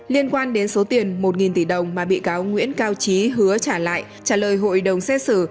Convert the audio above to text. liên quan đến số tiền một tỷ đồng mà bị cáo nguyễn cao trí hứa trả lại trả lời hội đồng xét xử